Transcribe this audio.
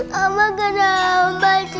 mama kenapa sih